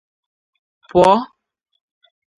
pụọ